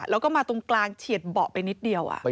แล้วกันที่๓นี่ค่ะ